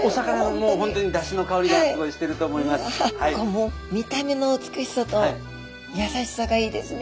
もう見た目の美しさと優しさがいいですね。